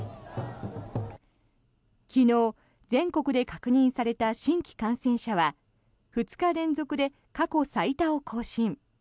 昨日、全国で確認された新規感染者は２日連続で過去最多を更新。